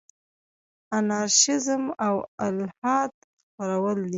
انارشیزم او الحاد خپرول دي.